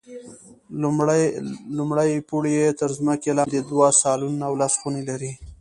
لومړی پوړ یې تر ځمکې لاندې دوه سالونونه او لس خونې لري.